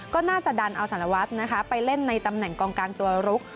ก็น่าจะดันเอาสารวัฒน์นะคะไปเล่นในตำแหน่งกองกลางตัวลุก